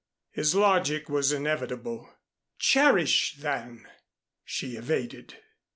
His logic was inevitable. "Cherish, then," she evaded.